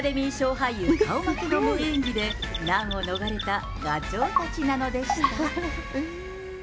俳優顔負けの名演技で、難を逃れたガチョウなのでした。